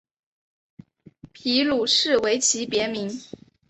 皮鲁士为其别名。